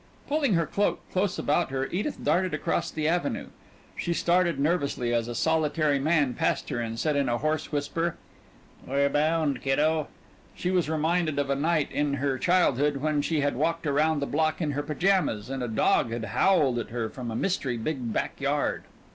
Pulling her cloak close about her Edith darted across the Avenue. She started nervously as a solitary man passed her and said in a hoarse whisper "Where bound, kiddo?" She was reminded of a night in her childhood when she had walked around the block in her pajamas and a dog had howled at her from a mystery big back yard.